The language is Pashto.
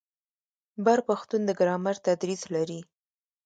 بر پښتون د ګرامر تدریس لري.